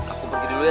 aku pergi dulu ya